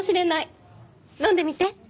飲んでみて。